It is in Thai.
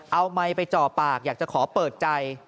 เอาไมค์ไปจ่อปากอยากจะขอเปิดใจ